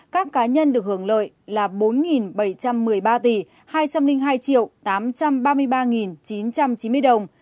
các cá nhân được hưởng lợi là bốn bảy trăm một mươi ba tỷ hai trăm linh hai tám trăm ba mươi ba chín trăm chín mươi đồng